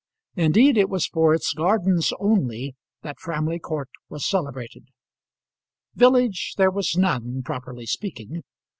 Indeed, it was for its gardens only that Framley Court was celebrated. Village there was none, properly speaking.